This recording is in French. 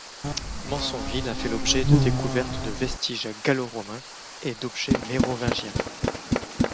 Mansonville a fait l'objet de découvertes de vestiges gallo-romains et d’objets mérovingiens.